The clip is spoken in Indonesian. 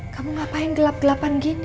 kamu ngapain gelap gelapan gini